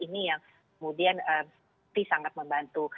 ini yang kemudian sangat membantu